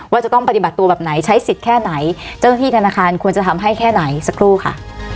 จะต้องปฏิบัติตัวแบบไหนใช้สิทธิ์แค่ไหนเจ้าหน้าที่ธนาคารควรจะทำให้แค่ไหนสักครู่ค่ะ